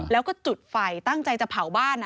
แล้วก็จุดไฟตั้งใจจะเผาบ้าน